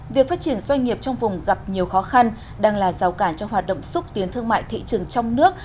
việc phát triển doanh nghiệp trong vùng gặp nhiều khó khăn đang là rào cản cho hoạt động xúc tiến thương mại thị trường trong nước